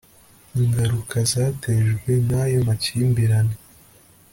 ngaruka zatejwe n ayo makimbirane